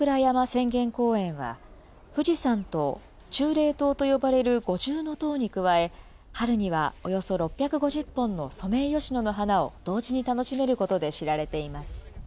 浅間公園は、富士山と忠霊塔と呼ばれる五重の塔に加え、春にはおよそ６５０本のソメイヨシノの花を同時に楽しめることで知られています。